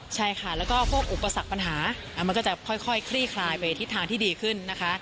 ใช่ค่ะแล้วก็พวกอุปสรรคปัญหามันก็จะค่อยคลี่คลายไปทิศทางที่ดีขึ้นนะคะ